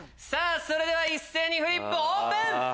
それでは一斉にフリップオープン！